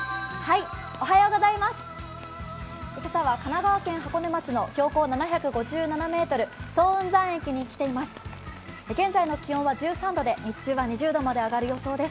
今朝は神奈川県箱根町の標高７５７ｍ早雲山駅に来ています。